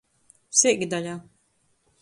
Seikdaļa.